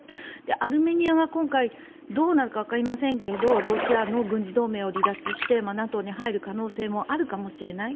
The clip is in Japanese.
アルメニアが今回どうなるかわかりませんがロシアの軍事同盟を離脱してＮＡＴＯに入る可能性もあるかもしれない。